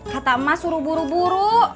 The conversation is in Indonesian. kata emas suruh buru buru